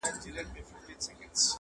بيا به ساز بيا به نڅا بيا به نگار وو-